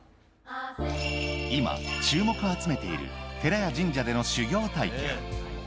今、注目を集めている、寺や神社での修行体験。